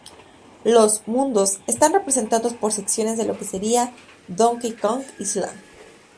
Los "mundos" están representados por secciones de lo que sería "Donkey Kong Island".